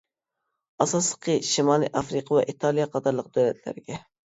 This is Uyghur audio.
ئاساسلىقى شىمالىي ئافرىقا ۋە ئىتالىيە قاتارلىق دۆلەتلەرگە.